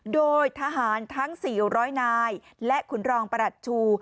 โดยทหารทั้ง๔๐๐นายและขุนรองประหลัดชู